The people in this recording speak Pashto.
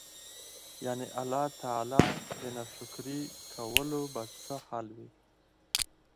يعني الله تعالی د ناشکري کولو به څه حال وي؟!!.